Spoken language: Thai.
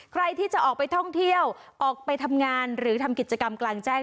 ใครที่จะออกไปท่องเที่ยวออกไปทำงานหรือทำกิจกรรมกลางแจ้ง